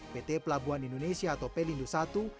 pt pelabuhan indonesia atau plindu satu